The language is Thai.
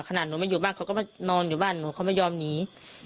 หนูไม่อยู่บ้านเขาก็มานอนอยู่บ้านหนูเขาไม่ยอมหนี